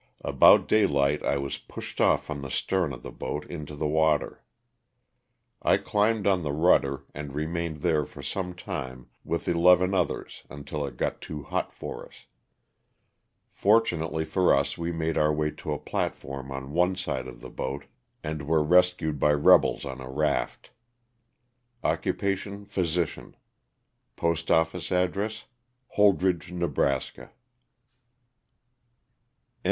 About daylight I was pushed off from the stern of the boat into the water. I climbed on the rudder and remained there for some time with eleven others until it got too hot for us. Fortunately for us we made our way to a platform on one side of the boat and were rescued by rebels on a raft. Occupation, physician; postoffice address, Hold rege. Neb. C. S. SCHMUTZ.